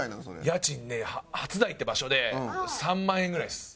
家賃ね初台って場所で３万円ぐらいです。